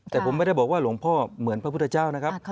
แต่ผมไม่ได้บอกว่าหลวงพ่อเหมือนพระพุทธเจ้านะครับ